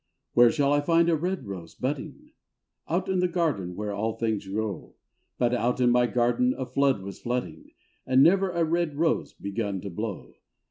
hi. Where shall I find a red rose budding? — Out in the garden where all things grow. — But out in my garden a flood was flooding, And never a red rose begun to blow.